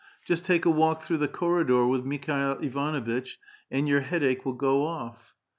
" Just take a walk through the corridor with Mikhail Ivanuitch, and your headache will go off."